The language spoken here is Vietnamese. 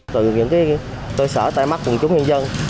từ những cái tôi sở tay mắt quần chúng nhân dân